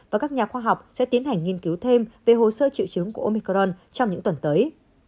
và các nhà khoa học sẽ tiến hành nghiên cứu thêm về hồ sơ triệu chứng của omicron trong những tuần tới